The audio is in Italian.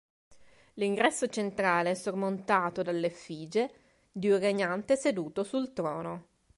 L'ingresso centrale è sormontato dalla effigie di un regnante seduto sul trono.